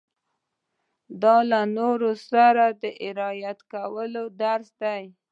دا له نورو سره د رعايت کولو درس دی.